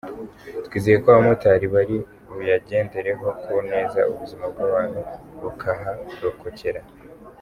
Twizeye ko abamotari bari buyagendereho ku neza, ubuzima bw’abantu bukaharokokera”.